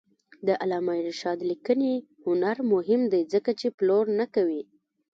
د علامه رشاد لیکنی هنر مهم دی ځکه چې پلور نه کوي.